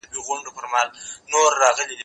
زه به تکړښت کړي وي